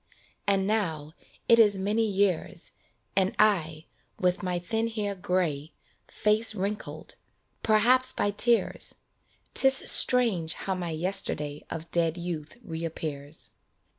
And now it is many years, And I, with my thin hair gray, Face wrinkled perhaps by tears ! 'Tis strange how my yesterday Of dead youth reappears.